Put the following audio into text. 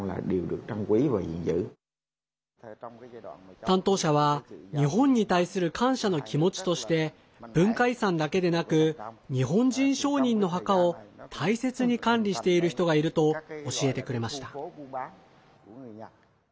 担当者は日本に対する感謝の気持ちとして文化遺産だけでなく日本人商人の墓を大切に管理している人がいると教えてくれました。